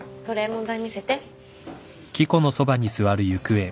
問題見せて。